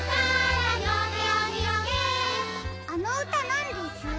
あのうたなんです？